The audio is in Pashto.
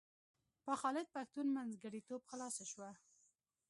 په خالد پښتون منځګړیتوب خلاصه شوه.